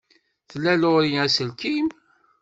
Tla Laurie aselkim?